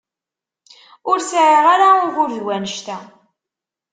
Ur sɛiɣ ara ugur d wannect-a.